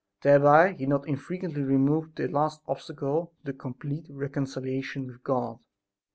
Thereby he not infrequently removed the last obstacle to complete reconciliation with God.